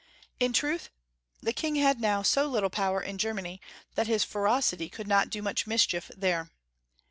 In truth, the king had now so little power in Ger many that his ferocity could not do much mischief there.